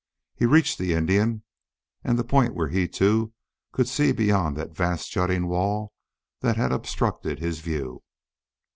He reached the Indian and the point where he, too, could see beyond that vast jutting wall that had obstructed his view.